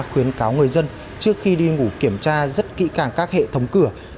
khuyến cáo người dân trước khi đi ngủ kiểm tra rất kỹ càng các hệ thống cửa